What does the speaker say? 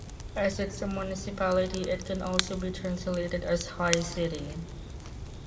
As it's a municipality, it can also be translated as "high city".